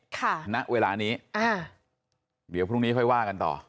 ณเวลานี้อ่าเดี๋ยวพรุ่งนี้ค่อยว่ากันต่อ